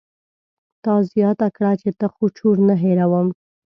تا زياته کړه چې ته خو چور نه هېروم.